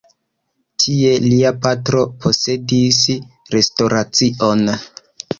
Tie lia patro posedis restoracion.